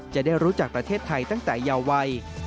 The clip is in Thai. จะได้รู้จักประเทศไทยตั้งแต่เยาวัย